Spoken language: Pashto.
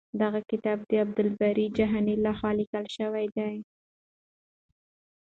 دغه کتاب د عبدالباري جهاني لخوا لیکل شوی دی.